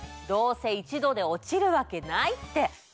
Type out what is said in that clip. どうせ一度で落ちるわけないって！